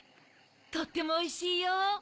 とってもおいしいよ。